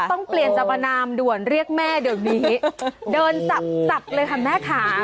ต้องเปลี่ยนสรรพนามด่วนเรียกแม่เดี๋ยวนี้เดินสับเลยค่ะแม่ค่ะ